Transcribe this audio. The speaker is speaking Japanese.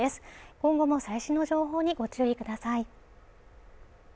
今後も最新の情報にご注意ください